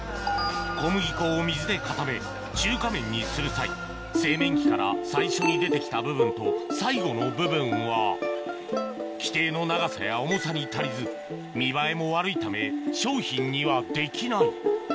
小麦粉を水で固め中華麺にする際製麺機から最初に出て来た部分と最後の部分は既定の長さや重さに足りず見栄えも悪いため商品にはできない